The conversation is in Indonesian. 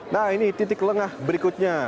nah ini titik lengah berikutnya